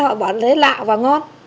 họ bảo lấy lạ và ngon